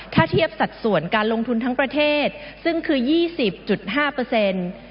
ถ้าเทียบสัดส่วนการลงทุนทั้งประเทศซึ่งคือ๒๐๕เปอร์เซ็นต์